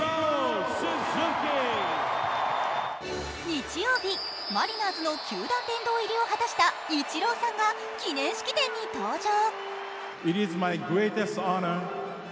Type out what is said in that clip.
日曜日、マリナーズの球団殿堂入りを果たしたイチローさんが記念式典に登場。